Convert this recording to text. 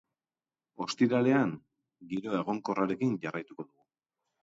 Ostiralean giro egonkorrarekin jarraituko dugu.